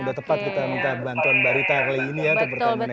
udah tepat kita minta bantuan mbak rita kali ini ya untuk bertanya tanya